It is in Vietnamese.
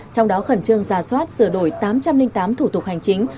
trong đó khẩn trương giả soát sửa đổi tám trăm linh tám thủ tục hành chính